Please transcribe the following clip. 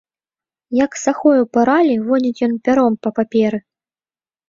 Як сахою па раллі, водзіць ён пяром па паперы.